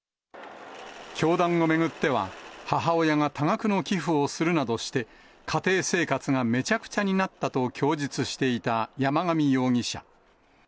教団を巡っては、母親が多額の寄付をするなどして、家庭生活がめちゃくちゃになったと供述していた山上容疑者。